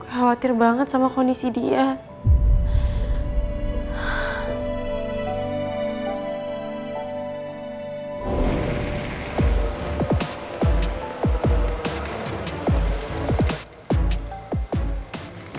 lo harus bantuin gue ngerjain tugas sekarang